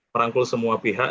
merangkul semua pihak